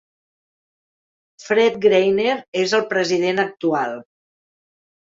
Fred Greiner és el president actual.